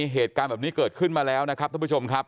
เหตุการณ์แบบนี้เกิดขึ้นมาแล้วนะครับท่านผู้ชมครับ